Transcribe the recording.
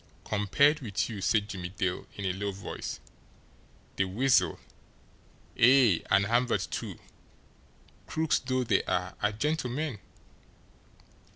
"Compared with you," said Jimmie Dale, in a low voice, "the Weasel, ay, and Hamvert, too, crooks though they are, are gentlemen!